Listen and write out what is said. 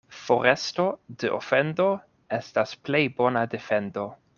Foresto de ofendo estas plej bona defendo.